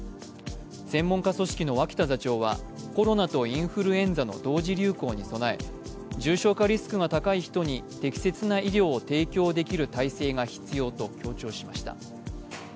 専門家組織の脇田座長はコロナとインフルエンザの同時流行に備え重症化リスクが高い人に適切な医療を提供できる体制が必要と強調しました。